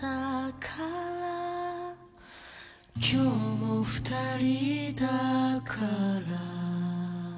「今日も２人だから」